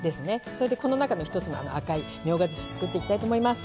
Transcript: それでこの中の一つのあの赤いみょうがずし作っていきたいと思います。